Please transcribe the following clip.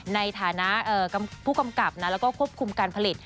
ในฐานะผู้กำกับแล้วก็ควบคุมการผลิต